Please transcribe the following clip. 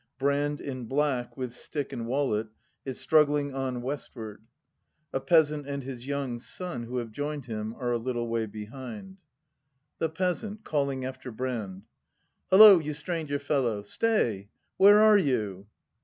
Brand in black, with stick and wallet, is struggling on tvestward. A Peasant and his Young Son, who Jmve joined him, are a little way behind. The Peasant. [Calling after Brand.] Hullo, you stranger fellow, stay! Where are you